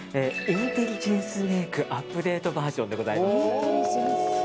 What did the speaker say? インテリジェンスメイクアップデートバージョンです。